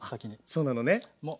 そうなのね。